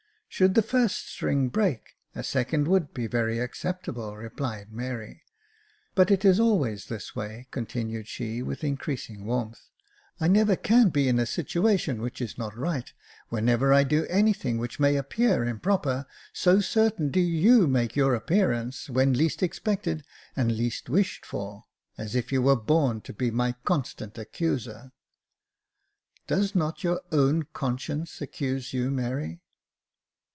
" Should the first string break, a second would be very acceptable," replied Mary. " But it is always this way," continued she, with increasing warmth ; "I never can be in a situation which is not right, whenever I do anything which may appear improper, so certain do you make your appearance when least expected and least wished for — as if you were born to be my constant accuser." " Does not your own conscience accuse you, Mary